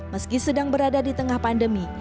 meski sedang berada di tengah pandemi